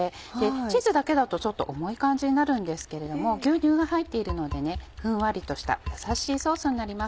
チーズだけだとちょっと重い感じになるんですけれども牛乳が入っているのでふんわりとしたやさしいソースになります。